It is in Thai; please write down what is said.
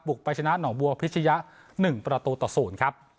ไปชนะหนองบัวพิชยะ๑ประตูต่อ๐ครับ